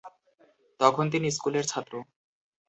তখন তিনি স্কুলের ছাত্র।